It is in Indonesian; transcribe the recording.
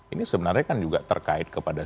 ini sebenarnya kan juga terkait kepada